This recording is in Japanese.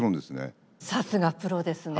さすがプロですね。